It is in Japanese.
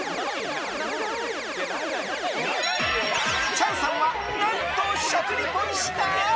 チャンさんは何と食リポした？